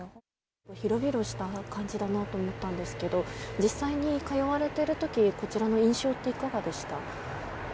広々した感じだなと思ったんですけど、実際に通われてるとき、こちらの印象っていかがでした？